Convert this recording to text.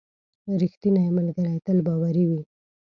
• رښتینی ملګری تل باوري وي.